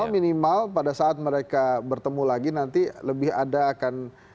minimal pada saat mereka bertemu lagi nanti lebih ada akan